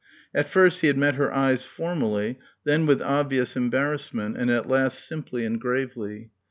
At first he had met her eyes formally, then with obvious embarrassment, and at last simply and gravely.